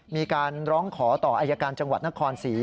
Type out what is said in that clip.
มีการร้องขอต่ออายการจังหวัดนครศรี